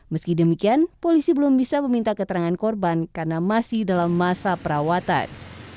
meski demikian polisi belum bisa meminta keterangan korban karena masih dalam masa perawatan